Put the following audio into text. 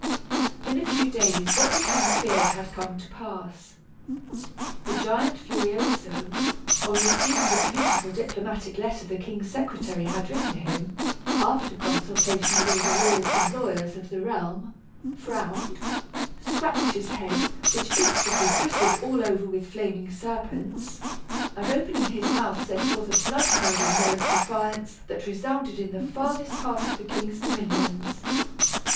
In a few days what the king feared had come to pass. The giant Furioso, on receiving the beautiful diplomatic letter the king's secretary had written him (after consultation with all the lords and lawyers of the realm), frowned, scratched his head, which instantly bristled all over with flaming serpents, and opening his mouth sent forth a blood curdling yell of defiance that resounded in the farthest part of the king's dominions.